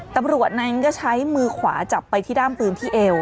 ตำรวจนั้นก็ใช้มือขวาจับไปที่ด้ามปืนที่เอว